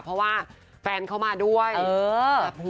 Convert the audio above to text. เพราะว่าแฟนเขามาด้วยเออ